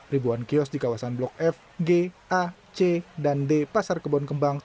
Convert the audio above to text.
ribuan kios di kawasan blok f g a c dan d pasar kebon kembang